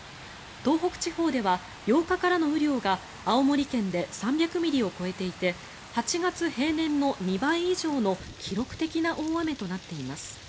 東北地方では８日からの雨量が青森県で３００ミリを超えていて８月平年の２倍以上の記録的な大雨となっています。